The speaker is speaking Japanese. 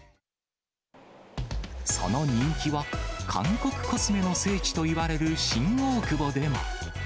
その人気は、韓国コスメの聖地といわれる新大久保でも。